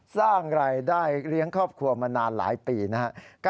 สร้างรายได้เลี้ยงครอบครัวมานานหลายปีนะครับ